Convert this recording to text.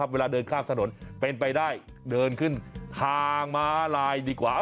เวลาเดินข้ามถนนเป็นไปได้เดินขึ้นทางม้าลายดีกว่า